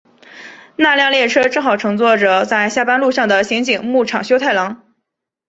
那辆列车正好乘坐着在下班路上的刑警木场修太郎。